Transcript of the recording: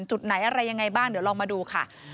จุดไหนอะไรยังไงบ้างเดี๋ยวลองมาดูค่ะ